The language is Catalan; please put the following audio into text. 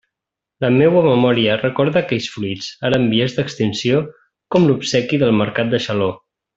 La meua memòria recorda aquells fruits, ara en vies d'extinció, com l'obsequi del mercat de Xaló.